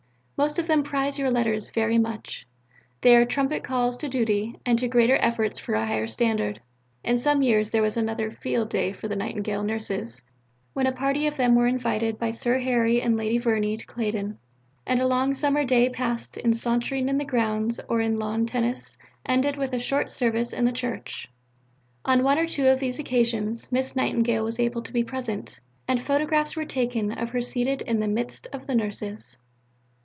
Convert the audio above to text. Most of them prize your letters very much. They are trumpet calls to duty and to greater efforts for a higher standard." In some years there was another "field day" for the Nightingale Nurses, when a party of them were invited by Sir Harry and Lady Verney to Claydon, and a long summer day, passed in sauntering in the grounds or in lawn tennis, ended with a short service in the Church. On one or two of these occasions, Miss Nightingale was able to be present, and photographs were taken of her seated in the midst of the nurses.